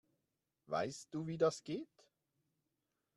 Weißt du, wie das geht?